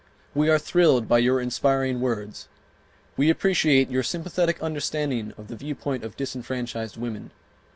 We are thrilled by your inspiring words. We appreciate your sympathetic understanding of the viewpoint of disfranchised women.